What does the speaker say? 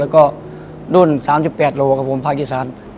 แล้วก็รุ่น๓๘โลครับผมภาคอีสาน